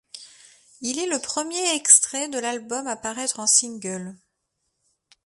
Il est le premier extrait de l'album à paraître en single.